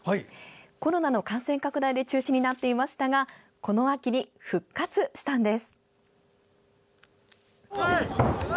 コロナの感染拡大で中止になっていましたがこの秋に復活したんです。